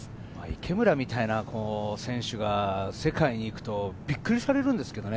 池村みたいな選手が世界に行くとびっくりされるんですよね。